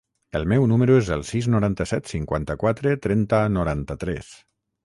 El meu número es el sis, noranta-set, cinquanta-quatre, trenta, noranta-tres.